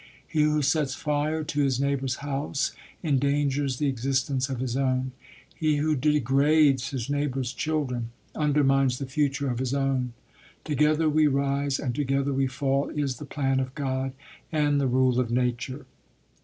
He who sets fire to his neighbor's house, endangers the existence of his own; he who degrades his neighbor's children, undermines the future of his own. Together we rise and together we fall is the plan of God and the rule of nature.